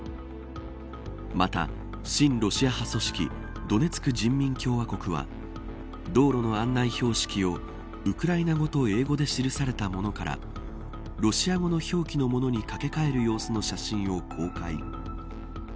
また、親ロシア派組織ドネツク人民共和国は道路の案内標識をウクライナ語と英語で記されたものからロシア語の表記のものに掛け替える様子の写真を公開。